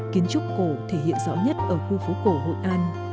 kiến trúc cổ thể hiện rõ nhất ở khu phố cổ hội an